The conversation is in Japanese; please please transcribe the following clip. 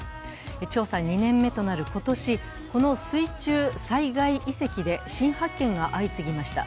調査２年目となる今年、この水中災害遺跡で新発見が相次ぎました。